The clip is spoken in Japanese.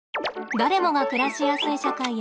誰もが暮らしやすい社会へ。